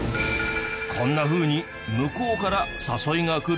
こんなふうに向こうから誘いがくるんです。